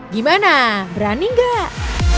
gimana berani gak